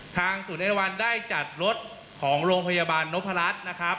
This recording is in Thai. ทางศูนย์แรมวัลได้จัดรถของโรงพยาบาลนกพระรัชนะครับ